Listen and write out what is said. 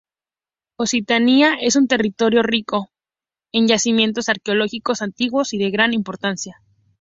Occitania es un territorio rico en yacimientos arqueológicos antiguos y de gran importancia.